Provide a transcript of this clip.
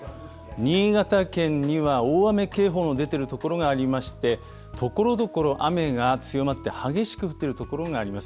新潟県には大雨警報の出ている所がありまして、ところどころ、雨が強まって激しく降っている所があります。